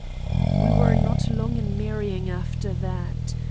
"We were not long in marrying after that.